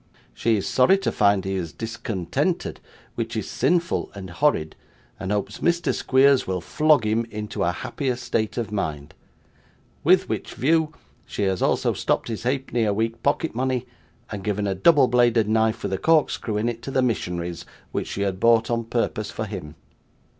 She is sorry to find he is discontented, which is sinful and horrid, and hopes Mr. Squeers will flog him into a happier state of mind; with which view, she has also stopped his halfpenny a week pocket money, and given a double bladed knife with a corkscrew in it to the Missionaries, which she had bought on purpose for him.